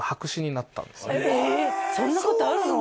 そんなことあるの？